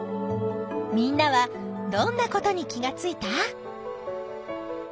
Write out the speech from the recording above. みんなはどんなことに気がついた？